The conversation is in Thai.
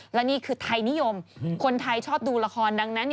และนี่คือไทยนิยมคนไทยชอบดูละครดังนั้น